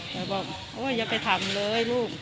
เขาบอกว่าอย่าไปทำเลยลูก